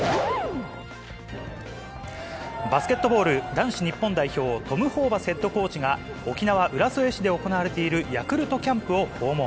バスケットボール男子日本代表、トム・ホーバスヘッドコーチが、沖縄・浦添市で行われているヤクルトキャンプを訪問。